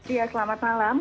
iya selamat malam